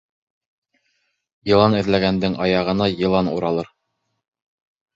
Йылан эҙләгәндең аяғына йылан уралыр.